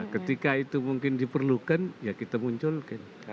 ketika itu mungkin diperlukan ya kita munculkan